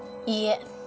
いいえ。